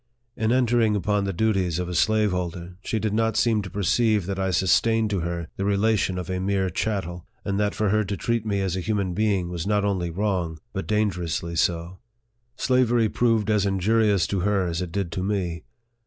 In entering upon the duties of a slaveholder, she did not seem to perceive that I sustained to her the relation of a mere chattel, and that for her to treat me as a human being was not only wrong, but dangerously so. Slavery proved as injurious to her as it did to me.